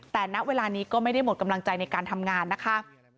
แต่ณเวลานี้ก็ไม่ได้หมดกำลังใจในการทำงานนะคะ